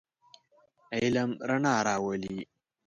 علم رڼا راولئ.